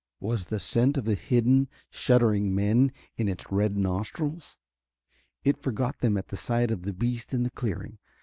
Was the scent of the hidden, shuddering men in its red nostrils? It forgot them at the sight of the beast in the clearing.